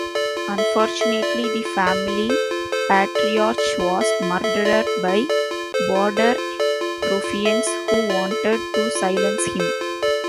Unfortunately, the family patriarch was murdered by Border Ruffians who wanted to silence him.